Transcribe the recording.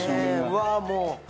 うわーもう。